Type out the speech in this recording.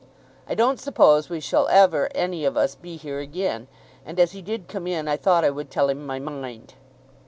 "I don't suppose we shall ever any of us be here again, and as he did come in I thought I would tell him my mind."